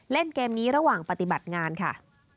เล่นเกมนี้ระหว่างปฏิบัติงานค่ะ